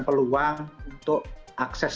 peluang untuk akses